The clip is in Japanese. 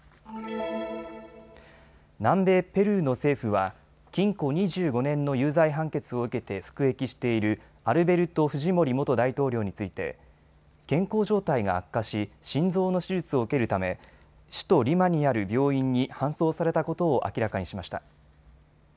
南米ペルーの政府は禁錮２５年の有罪判決を受けて服役しているアルベルト・フジモリ元大統領について健康状態が悪化し心臓の手術を受けるため首都リマにある病院に搬送されたことを明らかにしました。